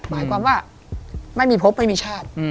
หมายความว่าไม่มีพบไม่มีชาติ